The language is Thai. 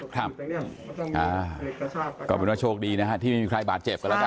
ครับก็เป็นว่าโชคดีนะฮะที่ไม่มีใครบาดเจ็บกันแล้วกัน